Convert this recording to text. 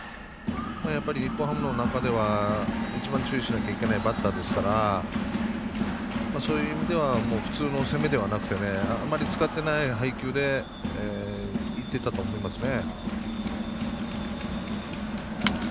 やっぱり日本ハムでは一番注意しないといけないバッターですからそういう意味では普通の攻めではなくてあんまり使ってない配球でいってたと思いますね。